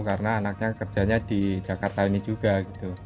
karena anaknya kerjanya di jakarta ini juga gitu